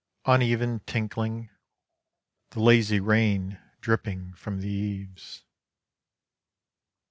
Uneven tinkling, the lazy rain Dripping from the eaves.